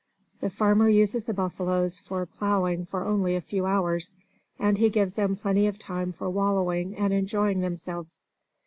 The farmer uses the buffaloes for plowing for only a few hours, and he gives them plenty of time for wallowing and enjoying themselves.